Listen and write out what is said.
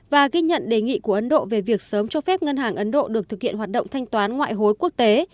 và ghi nhận đề nghị của ấn độ về việc sớm cho phép ngân hàng ấn độ được thực hiện hoạt động thanh toán ngoại hối quốc tế